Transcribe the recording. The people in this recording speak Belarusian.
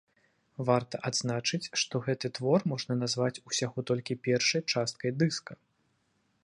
Варта адзначыць, што гэты твор можна назваць усяго толькі першай часткай дыска.